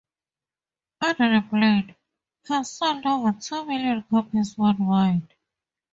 "Under the Blade" has sold over two million copies worldwide.